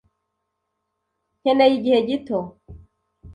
Nkeneye igihe gito.